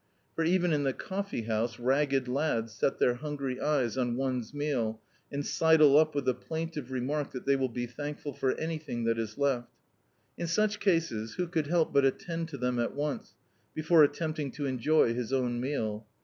For even in the coffee house ragged lac^ set their hungry eyes on one's meal, and sidle up with the plaintive remark that they will be thank ful for anything that is left In such cases, who could help but attend to them at once, before at tempting to enjoy his own meal?